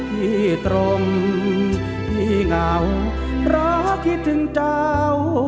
ที่ตรงพี่เหงาเพราะคิดถึงเจ้า